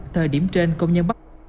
thời điểm trên công nhân bắt